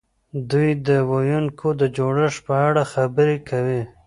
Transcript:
دوی د وییکو د جوړښت په اړه خبرې کوي.